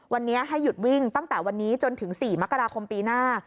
วันนี้ให้หยุดวิ่งตั้งแต่วันนี้จนถึง๔มกราคมปีหน้า